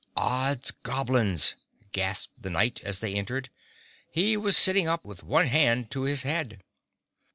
"Odds Goblins!" gasped the Knight, as they entered. He was sitting up with one hand to his head.